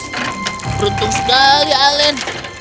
beruntung sekali alen